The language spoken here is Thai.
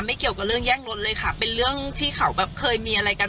พี่ก้อยอยู่ในห้องประชุมด้วยเห็นเขาวินาทีนั้น